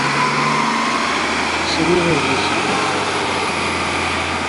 Tesrid adlis-a?